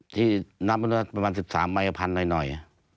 ที่นำประมาณ๑๓ใบก็๑๐๐๐หน่อย